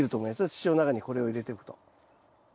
土の中にこれを入れておくと。